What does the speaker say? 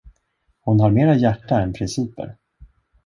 Hon har mera hjärta än principer.